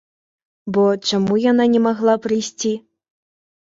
Бо чаму яна не магла прыйсці?